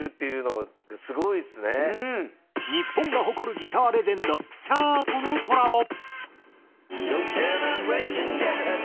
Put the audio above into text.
日本が誇るギターレジェンドＣｈａｒとのコラボ。